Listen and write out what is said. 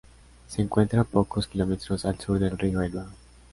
Se encuentra a pocos kilómetros al sur del río Elba.